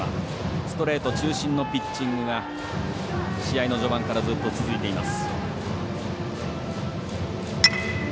ストレート中心のピッチングが試合の序盤からずっと続いています。